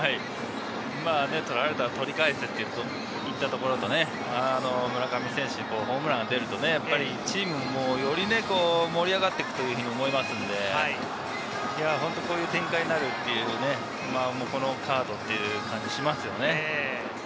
まぁ、取られたら取り返せといったところと、村上選手のホームランが出ると、チームもより盛り上がっていくというふうに思いますんで、こういう展開になると、このカードという感じがしますよね。